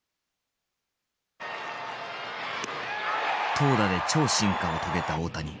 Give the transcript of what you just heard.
投打で超進化を遂げた大谷。